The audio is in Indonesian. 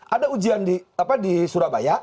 ada ujian di surabaya